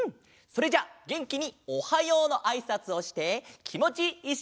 それじゃあげんきに「おはよう！」のあいさつをしてきもちいい